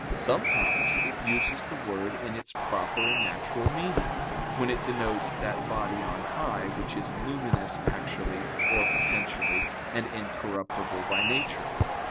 Sometimes it uses the word in its proper and natural meaning, when it denotes that body on high which is luminous actually or potentially, and incorruptible by nature.